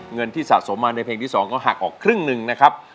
เงินที่สะสมมาในเพลงที่๒ก็หักออกครึ่งหนึ่งนะครับ